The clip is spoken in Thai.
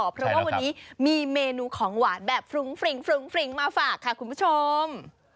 เพราะว่าวันนี้มีเมนูของหวานแบบฟรุ้งฟริ้งมาฝากค่ะคุณผู้ชม